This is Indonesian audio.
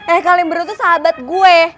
eh kalian berdua tuh sahabat gue